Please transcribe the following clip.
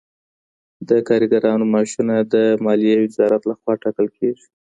د کارګرانو معاشونه د ماليې وزارت لخوا ټاکل کيږي.